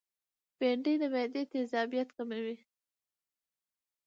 بېنډۍ د معدې تيزابیت کموي